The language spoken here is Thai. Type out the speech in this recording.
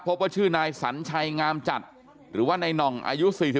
พบว่าชื่อนายสัญชัยงามจัดหรือว่าในน่องอายุ๔๒